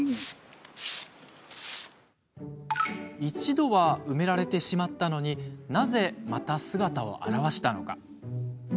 一度は埋められてしまったのになぜ、また姿を現したのか。